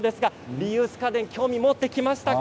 リユース家電に興味が出てきましたか？